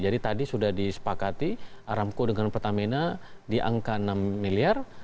jadi tadi sudah disepakati aramco dengan pertamina di angka enam miliar